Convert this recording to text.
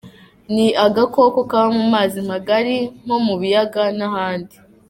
Ni agakoko kaba mu mazi magari nko mu biyaga n’ahandi.